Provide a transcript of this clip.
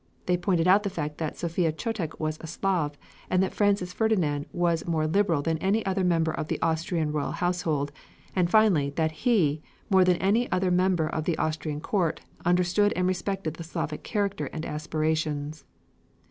They pointed out the fact that Sophia Chotek was a Slav, and that Francis Ferdinand was more liberal than any other member of the Austrian royal household, and finally, that he, more than any other member of the Austrian court, understood and respected the Slavic character and aspirations.